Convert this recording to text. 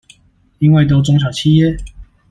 因為都中小企業？